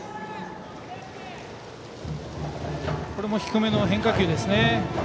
これも低めの変化球ですね。